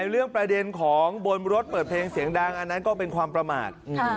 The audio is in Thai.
เรื่องประเด็นของบนรถเปิดเพลงเสียงดังอันนั้นก็เป็นความประมาท